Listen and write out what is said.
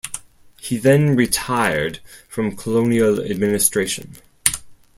He then retired from colonial administration.